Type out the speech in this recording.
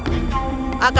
aku penyusup keduanya